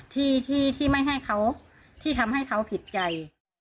ที่ที่ไม่ให้เขาที่ทำให้เขาผิดใจ